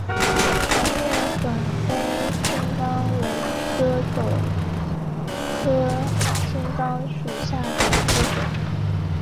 长叶粉背青冈为壳斗科青冈属下的一个种。